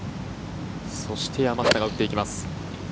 そして山下が打っていきます。